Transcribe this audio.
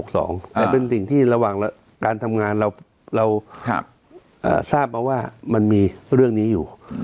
แต่เป็นสิ่งที่ระหว่างการทำงานเราทราบมาว่ามันมีเรื่องนี้อยู่